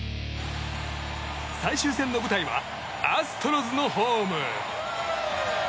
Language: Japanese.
最終戦の舞台はアストロズのホーム。